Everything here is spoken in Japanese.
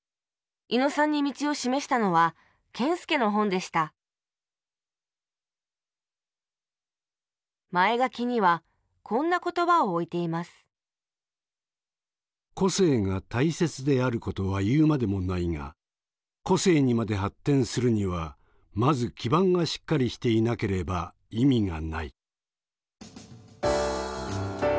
伊野さんに道を示したのは謙介の本でした前書きにはこんな言葉を置いています「個性が大切であることはいうまでもないが個性にまで発展するにはまず基盤がしっかりしていなければ意味がない」。